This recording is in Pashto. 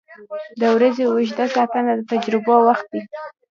• د ورځې اوږده ساعته د تجربو وخت دی.